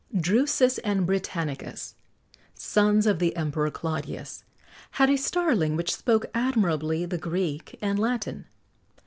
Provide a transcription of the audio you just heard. Drusus and Britannicus, sons of the Emperor Claudius, had a starling which spoke admirably the Greek and Latin.